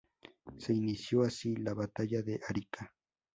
Se inició así la batalla de Arica.